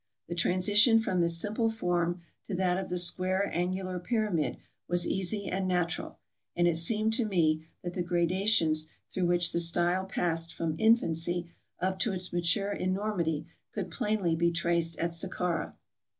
The transition from this simple form to that of the square angular pyramid was easy and natural ; and it seemed to me that the gradations through which the style passed from infancy up to its mature enormity could plainly be traced at Sakkara.